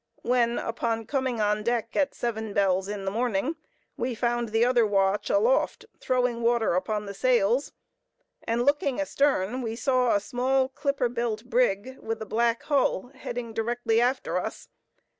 _, when, upon coming on deck at seven bells in the morning we found the other watch aloft throwing water upon the sails, and looking astern we saw a small clipper built brig with a black hull heading directly after us.